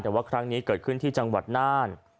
แต่ว่าครั้งนี้เกิดขึ้นที่จังหวัดน่าน